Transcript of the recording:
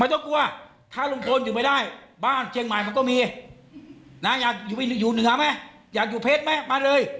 ต้องกลัวถ้าลุงพลอยู่ไม่ได้บ้านเชียงใหม่มันก็มีนะอยากอยู่เหนือไหมอยากอยู่เพชรไหมมาเลย